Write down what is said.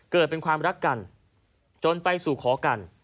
เกิดเป็นความรักกันจนไปสู่ขอกัน